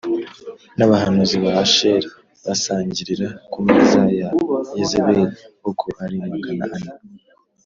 n’abahanuzi ba Ashera basangirira ku meza ya Yezebeli, uko ari magana ane